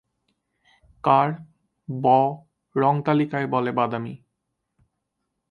কার ব রঙতালিকায় বলে "বাদামী"।